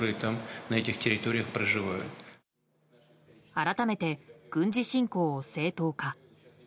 改めて、軍事侵攻を正当化。